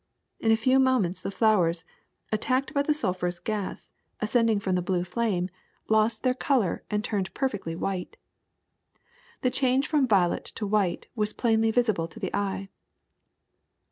In a few moments the flowers, attacked by the sulphurous gas ascend 28 THE SECRET OF EVERYDAY THINGS ing from the blue flame, lost their color and turned perfectly white. The change from violet to white was plainly visible to the eye.